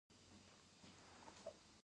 د نجونو تعلیم د زدکړو دوام تضمین کوي.